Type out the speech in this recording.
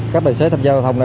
các đại sứ tham gia giao thông